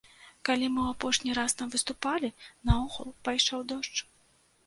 Калі мы ў апошні раз там выступалі, наогул пайшоў дождж.